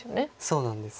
そうなんです。